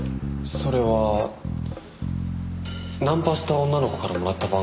それはナンパした女の子からもらった番号だったんです。